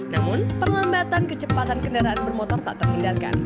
namun perlambatan kecepatan kendaraan bermotor tak terhindarkan